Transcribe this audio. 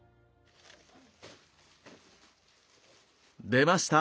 出ました